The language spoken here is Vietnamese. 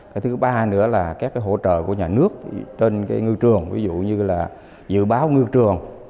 cái thứ ba nữa là các hỗ trợ của nhà nước trên cái ngư trường ví dụ như là dự báo ngư trường